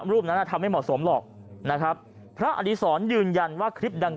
รูปนั้นทำไม่เหมาะสมหรอกนะครับพระอดีศรยืนยันว่าคลิปดัง